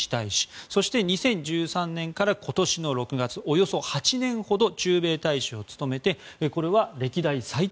そして２０１３年から今年の６月およそ８年ほど駐米大使を務めたと。